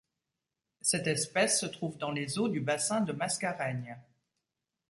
Cette espèce se trouve dans les eaux du bassin des Mascareignes.